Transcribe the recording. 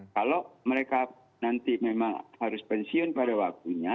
kalau mereka nanti memang harus pensiun pada waktunya